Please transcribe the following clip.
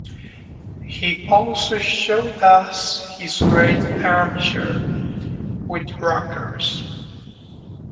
He also showed us his great armchair, with rockers.